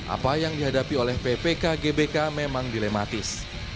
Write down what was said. apa yang dihadapi oleh ppk gbk memang dilematis